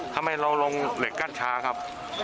ทำไมเราลงเหล็กกั้นช้าครับ